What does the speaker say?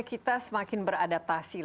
kita semakin beradaptasi